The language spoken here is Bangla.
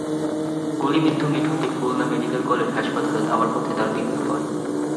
গুলিবিদ্ধ মিঠুনকে খুলনা মেডিকেল কলেজ হাসপাতালে নেওয়ার পথে তাঁর মৃত্যু হয়।